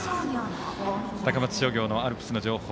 高松商業のアルプスの情報